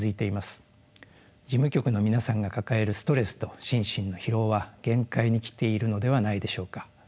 事務局の皆さんが抱えるストレスと心身の疲労は限界に来ているのではないでしょうか。